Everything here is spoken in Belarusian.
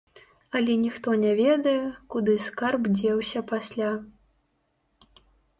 Але ніхто не ведае, куды скарб дзеўся пасля.